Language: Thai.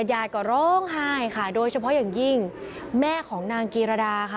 ยายก็ร้องไห้ค่ะโดยเฉพาะอย่างยิ่งแม่ของนางกีรดาค่ะ